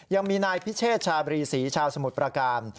ยังมีนายพิเชษชาบรีศรีชาวสมุทรประการ